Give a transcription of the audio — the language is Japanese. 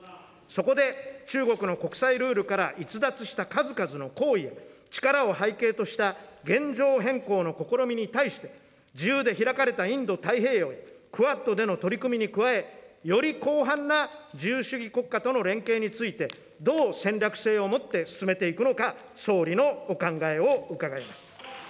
そこで中国の国際ルールから逸脱した数々の行為、力を背景とした現状変更の試みに対して、自由で開かれたインド太平洋、クアッドでの取り組みに加え、より広範な自由主義国家との連携について、どう戦略性をもって進めていくのか、総理のお考えを伺います。